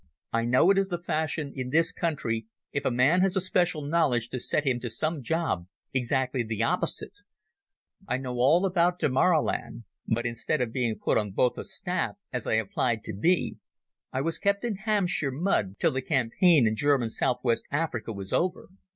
"I know it is the fashion in this country if a man has a special knowledge to set him to some job exactly the opposite. I know all about Damaraland, but instead of being put on Botha's staff, as I applied to be, I was kept in Hampshire mud till the campaign in German South West Africa was over.